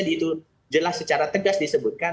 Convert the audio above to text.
itu jelas secara tegas disebutkan